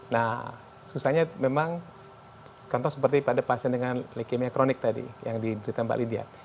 nah susahnya memang contoh seperti pada pasien dengan leukemia kronik tadi yang diberita mbak lydia